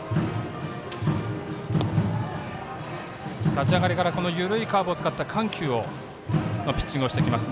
立ち上がりから緩いカーブを使った緩急のピッチングをしてきます